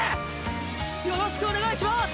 よろしくお願いします。